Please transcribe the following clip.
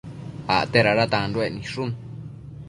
Acte dada tanduec nidshu